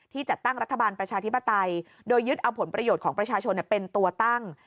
จัดตั้งรัฐบาลประชาธิปไตยโดยยึดเอาผลประโยชน์ของประชาชนเป็นตัวตั้ง